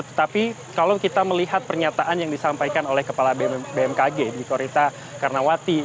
tetapi kalau kita melihat pernyataan yang disampaikan oleh kepala bmkg dwi korita karnawati